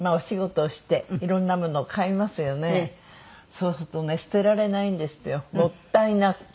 そうするとね捨てられないんですよもったいなくて。